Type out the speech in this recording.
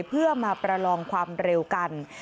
เพื่อมาประลองความเร็วกัน